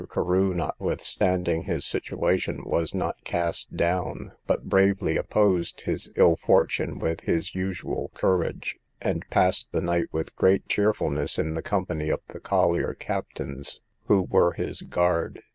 Carew, notwithstanding his situation, was not cast down, but bravely opposed his ill fortune with his usual courage, and passed the night with great cheerfulness in the company of the collier captains, who were his guard.